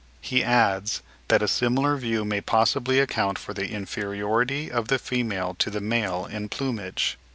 He adds, that a similar view may possibly account for the inferiority of the female to the male in plumage.)